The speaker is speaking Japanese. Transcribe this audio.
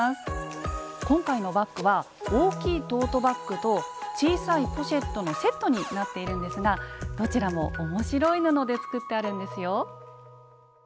今回のバッグは大きいトートバッグと小さいポシェットのセットになっているんですがどちらも面白い布で作ってあるんですよ。